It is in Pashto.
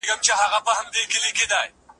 انتوني ګیدنز یو ډېر مشهور ټولنپوه دی.